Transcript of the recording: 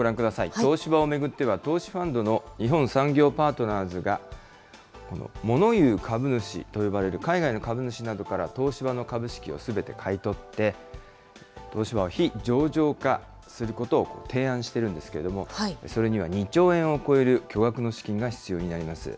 東芝を巡っては、投資ファンドの日本産業パートナーズが、このものいう株主といわれる海外の株主などから東芝の株式をすべて買い取って、東芝は非上場化することを提案しているんですけれども、それには２兆円を超える巨額の資金が必要になります。